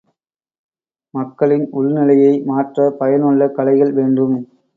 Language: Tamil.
மக்களின் உள் நிலையை மாற்றப் பயனுள்ள கலைகள் வேண்டும்!